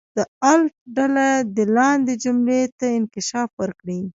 د الف ډله دې لاندې جملې ته انکشاف ورکړي.